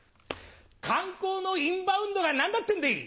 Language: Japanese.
観光のインバウンドが何だってんでい！